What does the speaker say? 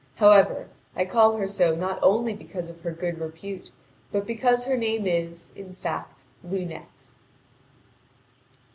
However, I call her so not only because of her good repute, but because her name is, in fact, Lunete.